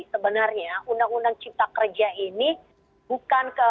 sebenarnya undang undang cipta kerja ini bukan ke